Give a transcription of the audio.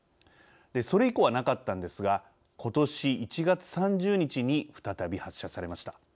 それ以降はなかったんですが今年１月３０日に再び発射されました。